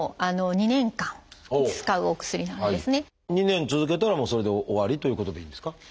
２年続けたらもうそれで終わりということでいいんですか？